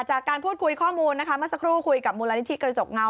จากการพูดคุยข้อมูลนะคะเมื่อสักครู่คุยกับมูลนิธิกระจกเงา